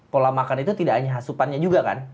pola makan itu tidak hanya asupannya juga kan